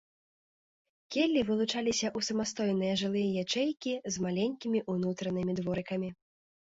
Келлі вылучаліся ў самастойныя жылыя ячэйкі з маленькімі ўнутранымі дворыкамі.